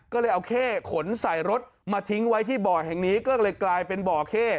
ก็เลยเอาเข้ขนใส่รถมาทิ้งไว้ที่บ่อแห่งนี้ก็เลยกลายเป็นบ่อเข้